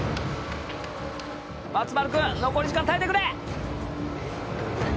松丸君残り時間耐えてくれ！